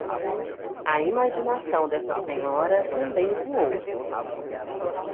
a imaginação dessa senhora também voou